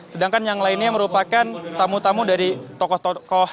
sedangkan yang lainnya merupakan tamu tamu dari tokoh tokoh